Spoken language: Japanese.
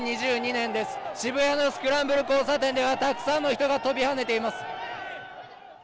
２０２２年です、渋谷のスクランブル交差点ではたくさんの人が跳びはねています。